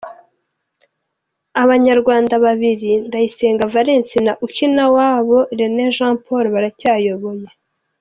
Abanyarwanda babiri, Ndayisenga Valens na Ukiniwabo René Jean Paul baracyayoboye.